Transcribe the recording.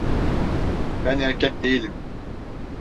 Ben erkek değilim.